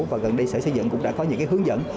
và gần đây sở xây dựng cũng đã có những hướng dẫn